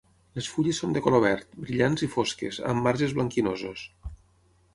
Les fulles són de color verd, brillants i fosques, amb marges blanquinosos.